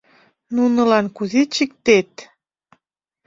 Нунылан кузе чиктет?